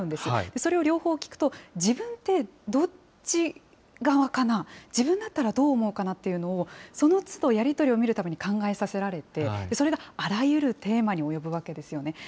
それを両方聞くと、自分ってどっち側かな、自分だったらどう思うかなっていうのを、そのつどやり取りを見るたびに考えさせられて、それがあらゆるテーマに及ぶわけですよね。